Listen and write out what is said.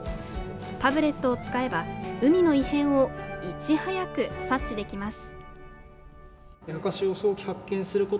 タブレットを使えば、海の異変をいち早く察知できます。